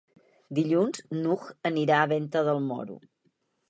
Dilluns n'Hug anirà a Venta del Moro.